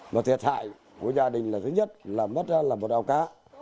một thiệt hại của gia đình là thứ nhất là mất là một ao cá